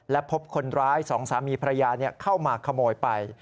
และพบคนร้ายสองสามีภรรยาเข้ามาขโมยไป